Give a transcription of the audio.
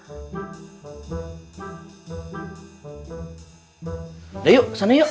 udah yuk sana yuk